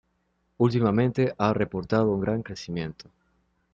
Últimamente ha reportado un gran crecimiento.